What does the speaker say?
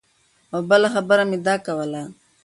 او بله خبره مې دا کوله